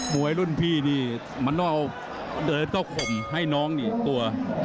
วยรุ่นพี่นี่มันต้องเอาเดินเต้าข่มให้น้องนี่กลัว